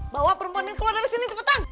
bawa perempuan yang keluar dari sini cepetan